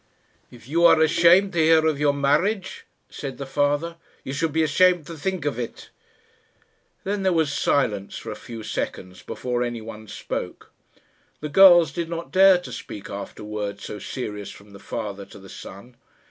"If you are ashamed to hear of your marriage," said the father, "you should be ashamed to think of it." Then there was silence for a few seconds before anyone spoke. The girls did not dare to speak after words so serious from the father to the son.